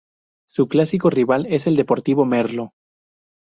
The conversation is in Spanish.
Su clásico rival es el Deportivo Merlo.